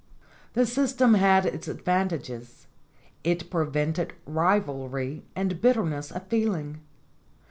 The system had its advantages. It prevented rivalry and bitterness of feeling.